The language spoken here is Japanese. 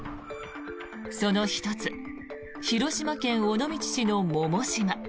その１つ広島県尾道市の百島。